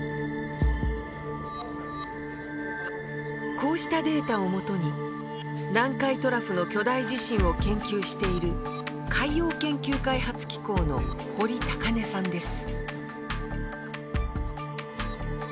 こうしたデータを基に南海トラフの巨大地震を研究している海洋研究開発機構の堀高峰さんです。